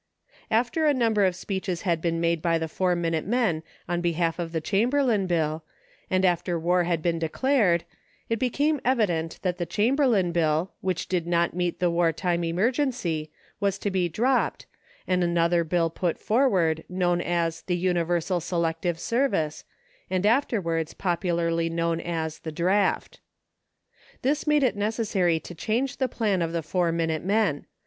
After a number of speeches had been made by the Four Minute Men on behalf of the Chamberlain bill, and after war had been declared, it became evident that the Chamberlain bill, which did not meet the war time emergency, was to be dropped, and another bill put for ward, known as the "Universal Selective Service," and afterwards popularly known as the "Draft." This made it necessary to change the plan of the Four Minute Men.